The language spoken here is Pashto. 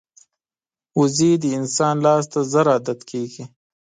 وزې د انسان لاس ته ژر عادت کېږي